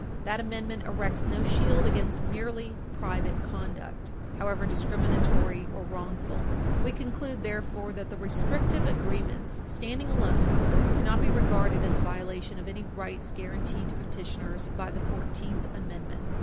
That Amendment erects no shield against merely private conduct, however discriminatory or wrongful. [Footnote 12] We conclude, therefore, that the restrictive agreements, standing alone, cannot be regarded as violative of any rights guaranteed to petitioners by the Fourteenth Amendment.